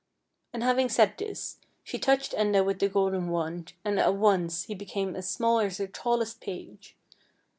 And having said this, she touched Enda with the golden wand, and at once he became as small as her tallest page.